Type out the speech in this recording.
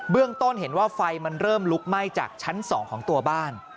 ต้นเห็นว่าไฟมันเริ่มลุกไหม้จากชั้น๒ของตัวบ้าน